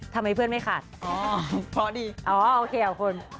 ทำไมเพื่อนไม่ขาดอ๋อดีอ๋อโอเคค่ะคุณ